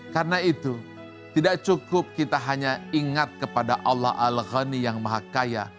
karena itu tidak cukup kita hanya ingat kepada allah al ghani yang maha kaya